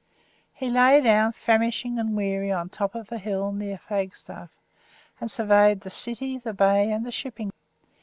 He lay down famishing and weary on the top of the hill near Flagstaff, and surveyed the city, the bay, and the shipping.